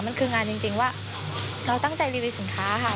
มันคืองานจริงว่าเราตั้งใจรีวิวสินค้าค่ะ